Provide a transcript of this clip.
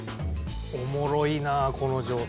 おもろいなこの状態。